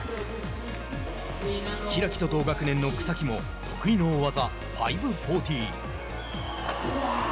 開と同学年の草木も得意の大技５４０。